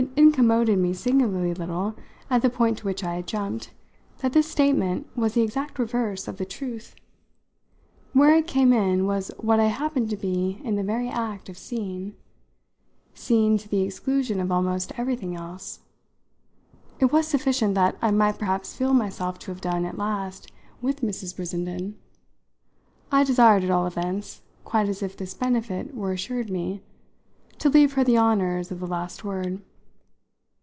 It incommoded me singularly little, at the point to which I had jumped, that this statement was the exact reverse of the truth. Where it came in was what I happened to be in the very act of seeing seeing to the exclusion of almost everything else. It was sufficient that I might perhaps feel myself to have done at last with Mrs. Brissenden. I desired, at all events, quite as if this benefit were assured me, to leave her the honours of the last word.